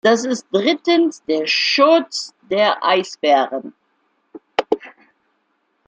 Da ist drittens der Schutz der Eisbären.